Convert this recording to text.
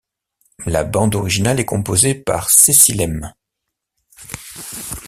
La bande originale est composée par Cecilem.